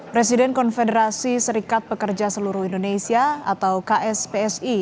presiden konfederasi serikat pekerja seluruh indonesia atau kspsi